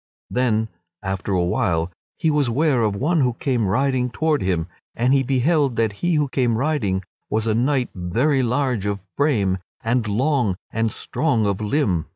Then, after a while, he was ware of one who came riding toward him, and he beheld that he who came riding was a knight very huge of frame, and long and strong of limb.